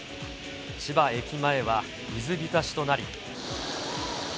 千葉駅前は水浸しとなり。